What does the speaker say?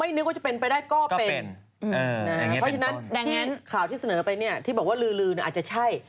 นึกว่าจะเป็นไปได้ก็เป็นเพราะฉะนั้นที่ข่าวที่เสนอไปเนี่ยที่บอกว่าลืออาจจะใช่